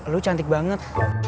lu cantik banget